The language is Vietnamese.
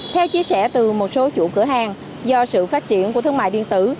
theo chia sẻ từ một số chủ cửa hàng do sự phát triển của thương mại điện tử